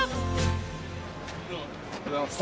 おはようございます。